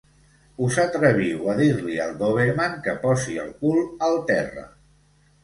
Us atreviu a dir-li al dòberman que posi el cul al terra.